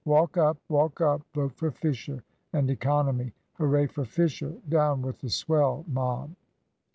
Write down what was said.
Walk up! walk up! vote for Fisher and economy! Hooray for Fisher! Down with the swell mob!"